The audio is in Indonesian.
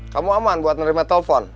kamu aman buat nerima telpon